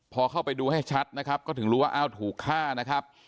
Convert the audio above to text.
พอเข้าไปดูให้ชัดนะครับก็ถึงรู้ว่าอ้าวถูกฆ่านะครับ